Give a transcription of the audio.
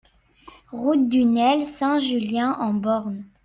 Route du Nel, Saint-Julien-en-Born